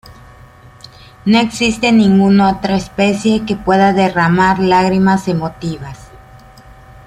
No existe ninguna otra especie que puede derramar lágrimas emotivas.